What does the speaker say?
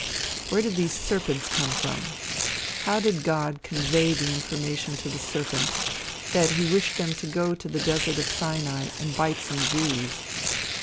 Where did these serpents come from? How did God convey the information to the serpents, that he wished them to go to the desert of Sinai and bite some Jews?